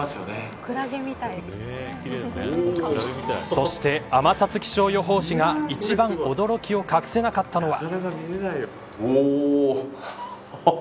そして、天達気象予報士が一番驚きを隠せなかったのは。